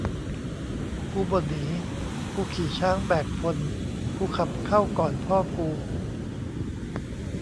กูบ่หนี กูขี่ช้างแบกพล กูขับเข้าก่อนพ่อกู